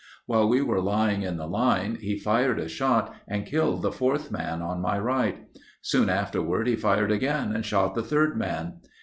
While we were lying in the line he fired a shot and killed the fourth man on my right. Soon afterward he fired again and shot the third man.